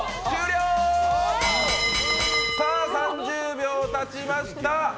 ３０秒たちました。